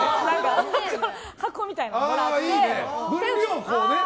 箱みたいなのをもらって。